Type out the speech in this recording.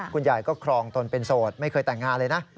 คุณยายก็ครองตนเป็นโสดไม่เคยแต่งงานเลยนะ